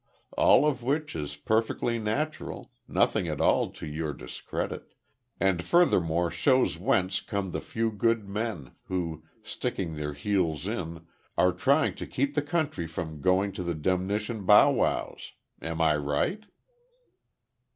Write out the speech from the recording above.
All of which is perfectly natural, nothing at all to your discredit, and furthermore shows whence come the few good men, who, sticking their heels in, are trying to keep the country from going to the demnition bow wows. Am I right?"